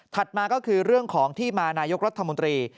มาก็คือเรื่องของที่มานายกรัฐมนตรี